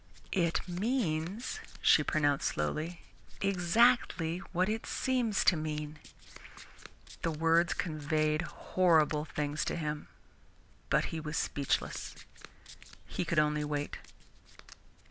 "It means," she pronounced slowly, "exactly what it seems to mean." The words conveyed horrible things to him, but he was speechless. He could only wait.